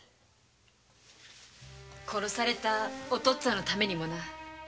殺されたお父っつぁんのためにもな。